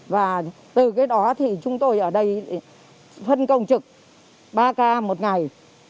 và từ cái đó thì chúng tôi ở đây phân công trực ba k một ngày